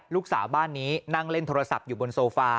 ลูกสาวบ้านนี้นั่งเล่นโทรศัพท์อยู่บนโซฟา